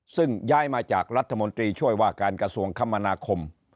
ซึ่งย้ายมาจากรัฐมนตรีช่วยว่าการกระทรวงคมนาคม